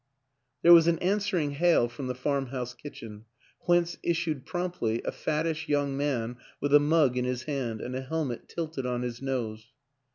There was an answering hail from the farm house kitchen, whence issued promptly a fattish young man with a mug in his hand, and a helmet tilted on his nose.